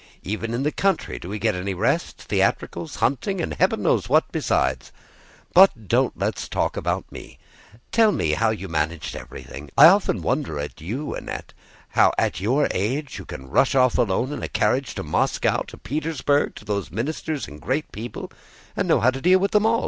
Even in the country do we get any rest? Theatricals, hunting, and heaven knows what besides! But don't let's talk about me; tell me how you managed everything. I often wonder at you, Annette—how at your age you can rush off alone in a carriage to Moscow, to Petersburg, to those ministers and great people, and know how to deal with them all!